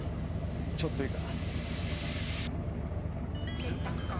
ちょっといいか？